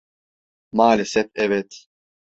Maalesef evet.